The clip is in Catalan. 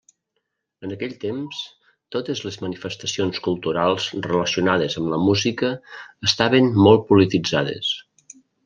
En aquell temps, totes les manifestacions culturals relacionades amb la música estaven molt polititzades.